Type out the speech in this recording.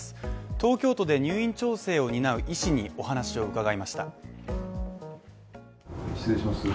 東京都で入院調整を担う医師にお話を伺いました。